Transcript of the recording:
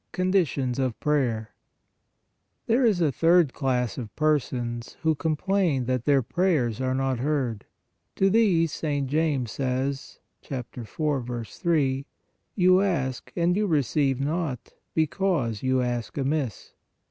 CONDITIONS OF PRAYER There is a third class of persons, who complain that their prayers are not heard. To these St. James says (4. 3) :" You ask and you receive not, because you ask amiss."